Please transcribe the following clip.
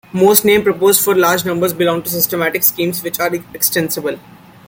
Most names proposed for large numbers belong to systematic schemes which are extensible.